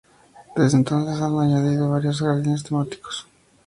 Desde entonces se han añadido varios jardines temáticos.